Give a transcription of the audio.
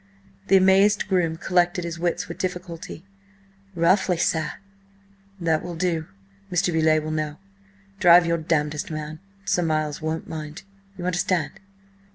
The amazed groom collected his wits with difficulty. "Roughly, sir." "That will do–Mr. Beauleigh will know. Drive your damnedest, man–Sir Miles won't mind. You understand?"